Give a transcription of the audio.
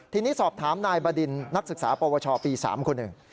ทีนี้สอบถามนายบดินนักศึกษาปวชปี๓คนหนึ่ง